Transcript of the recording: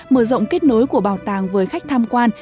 mở rộng kết nối của bảo tàng với khách tham quan